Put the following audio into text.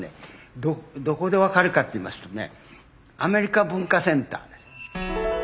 どこで分かるかと言いますとねアメリカ文化センターです。